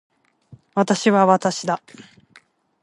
私は私だ。